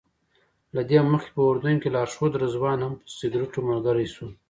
له دې مخکې په اردن کې لارښود رضوان هم په سګرټو ملګری شو.